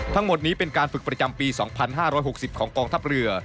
ทั้งหมดนี้เป็นการฝึกประจำปี๒๕๖๐ของกองทัพเรือ